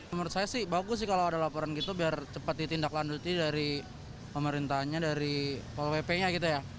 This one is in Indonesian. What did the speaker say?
menurut saya sih bagus sih kalau ada laporan gitu biar cepat ditindaklanjuti dari pemerintahnya dari pol pp nya gitu ya